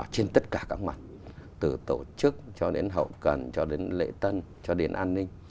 trên tất cả các mặt từ tổ chức cho đến hậu cần cho đến lễ tân cho đến an ninh